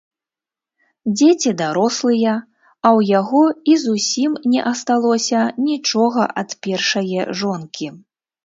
Дзеці дарослыя, а ў яго і зусім не асталося нічога ад першае жонкі.